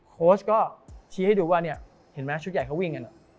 โฮสก็ชี้ให้ดูว่าชุดใหญ่เขาวิ่งกัน